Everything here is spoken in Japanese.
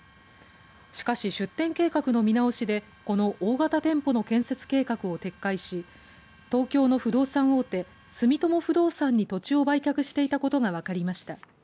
しかし、出店計画の見直しでこの大型店舗の建設計画を撤回し東京の不動産大手住友不動産に土地を売却していたことが分かりました。